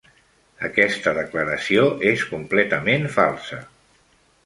Aquesta declaració és completament falsa.